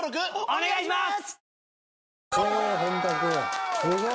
お願いします！